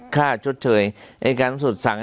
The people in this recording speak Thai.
ค่าชดเฉยไอ้การนำส่วนสั่ง